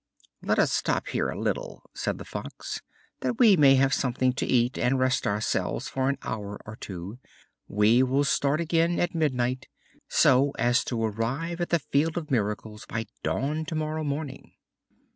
"Let us stop here a little," said the Fox, "that we may have something to eat, and rest ourselves for an hour or two. We will start again at midnight, so as to arrive at the Field of Miracles by dawn tomorrow morning."